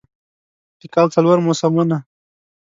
د کال څلور موسمونه